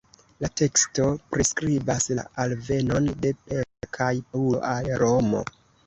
La teksto priskribas la alvenon de Petro kaj Paŭlo al Romo.